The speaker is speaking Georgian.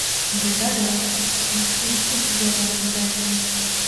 მდებარეობს ითხვისის ზეგანზე.